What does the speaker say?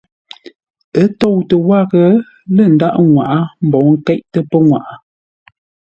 Ə́ tóutə́ wághʼə lə́ ndaghʼ ŋwaʼá mbǒu nkéiʼtə́ pəŋwaʼa.